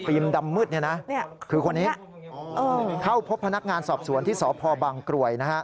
ดำมืดคือคนนี้เข้าพบพนักงานสอบสวนที่สพบางกรวย